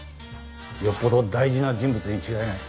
よっぽど大事な人物に違いない。